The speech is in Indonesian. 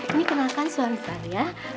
ini kenalkan suami saya